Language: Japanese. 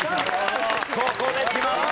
ここできました。